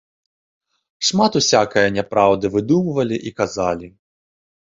Шмат усякае няпраўды выдумвалі і казалі.